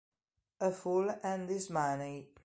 A Fool and His Money